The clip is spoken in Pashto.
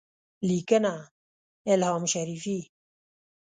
لیکنه : الهام شریفي